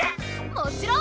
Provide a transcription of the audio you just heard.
もちろん。